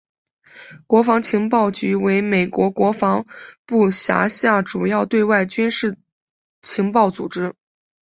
国防情报局为美国国防部辖下主要对外军事情报组织。